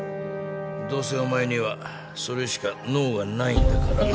どうせお前にはそれしか能がないんだからな。